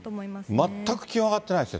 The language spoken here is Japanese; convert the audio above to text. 全く気温、上がってないです